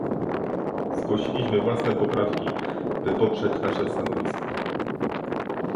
Zgłosiliśmy własne poprawki, by poprzeć nasze stanowisko